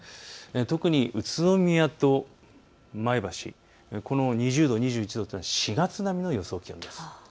特に宇都宮と前橋、この２０度２１度というのは４月並みの予想気温です。